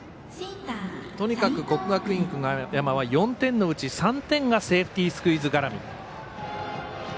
とにかく国学院久我山は４点のうち３点がセーフティースクイズ絡み。